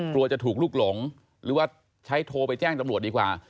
กลัวจะถูกลุกหลงหรือว่าใช้โทรไปแจ้งตำรวจดีกว่า